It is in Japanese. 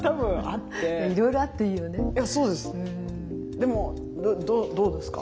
でもどうですか？